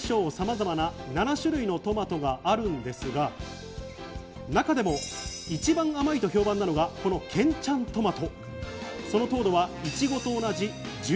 大小さまざまな７種類のトマトがあるんですが中でも一番甘いと評判なのが、この健ちゃんとまと。